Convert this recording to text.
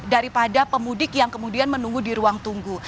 daripada pemudik yang kemudian menunggu di ruang tunggu